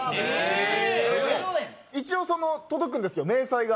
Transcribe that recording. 一応届くんですけど明細が。